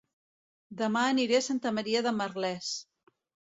Dema aniré a Santa Maria de Merlès